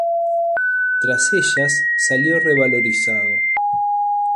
Tras ellas, salió revalorizado.